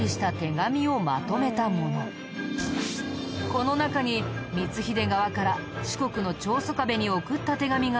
この中に光秀側から四国の長宗我部に送った手紙があったんだ。